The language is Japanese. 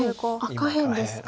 下辺ですか。